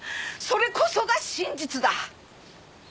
それこそが真実だ！